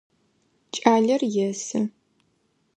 Кӏалэр есы.